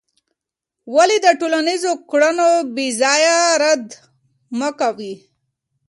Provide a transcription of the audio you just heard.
ولې د ټولنیزو کړنو بېځایه رد مه کوې؟